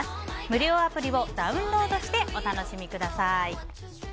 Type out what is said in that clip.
無料アプリをダウンロードしてお楽しみください。